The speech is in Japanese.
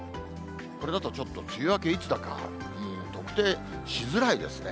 これだとちょっと梅雨明けいつだか、特定しづらいですね。